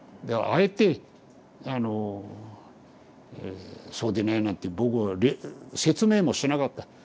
だからあえてあのそうでないなんて僕は説明もしなかった。